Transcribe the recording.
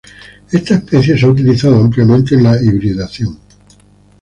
Esta especie se ha utilizado ampliamente en la hibridación.